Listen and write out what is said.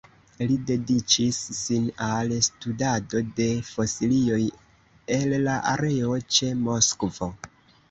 Li dediĉis sin al studado de fosilioj el la areo ĉe Moskvo.